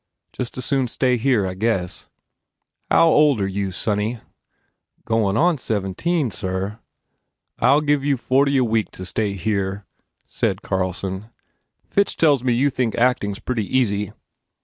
Just as soon stay here, I guess." "How old are you, sonny?" "Coin* on seventeen, sir." "I ll give you forty a week to stay here," said 21 THE FAIR REWARDS Carlson, "Fitch tells me you think acting s pretty easy."